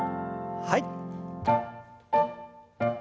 はい。